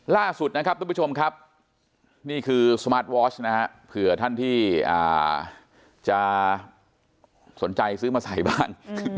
ล่าสุดนะครับทุกผู้ชมครับนี่คือสมาร์ทวอร์ชนะฮะเผื่อท่านที่จะสนใจซื้อมาใส่บ้าง